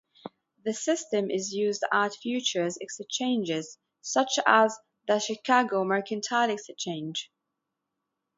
The system is used at futures exchanges such as the Chicago Mercantile Exchange.